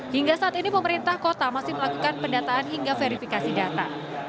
hingga saat ini pemerintah kota masih melakukan pendataan hingga verifikasi data